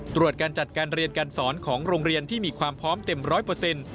ตรวจการจัดการเรียนการสอนของโรงเรียนที่มีความพร้อมเต็มร้อยเปอร์เซ็นต์